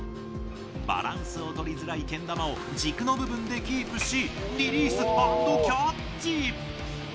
バランスをとりづらいけん玉を軸の部分でキープしリリース＆キャッチ！